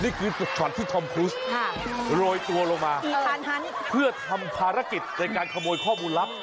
นี่คือจุดช็อตที่ธอมครุสโรยตัวลงมาเพื่อทำภารกิจในการขโมยข้อมูลลับ